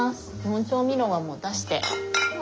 調味料はもう出してまあ